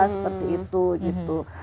seperti itu gitu